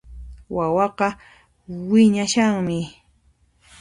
Wawaqa wiñashanmi